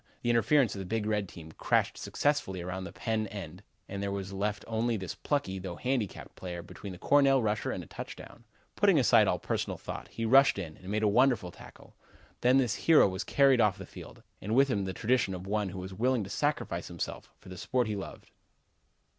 The interference of the big red team crashed successfully around the Penn' end and there was left only this plucky, though handicapped player, between the Cornell runner and a touchdown. Putting aside all personal thought, he rushed in and made a wonderful tackle. Then this hero was carried off the field, and with him the tradition of one who was willing to sacrifice himself for the sport he loved.